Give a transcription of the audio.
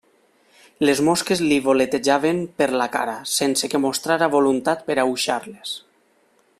Les mosques li voletejaven per la cara, sense que mostrara voluntat per a aüixar-les.